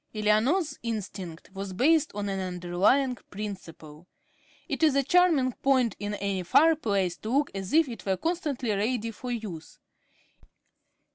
Eleanor's instinct was based on an "underlying principle." It is a charming point in any fireplace to look as if it were constantly ready for use.